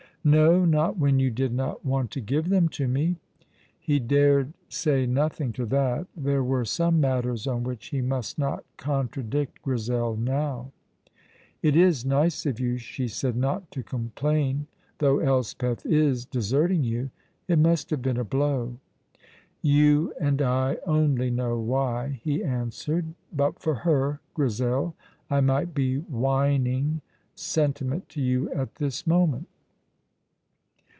"No, not when you did not want to give them to me." He dared say nothing to that; there were some matters on which he must not contradict Grizel now. "It is nice of you," she said, "not to complain, though Elspeth is deserting you. It must have been a blow." "You and I only know why," he answered. "But for her, Grizel, I might be whining sentiment to you at this moment."